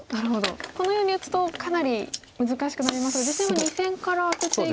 このように打つとかなり難しくなりますが実戦は２線からアテていきました。